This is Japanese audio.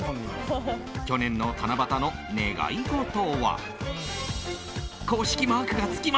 去年の七夕の願い事は。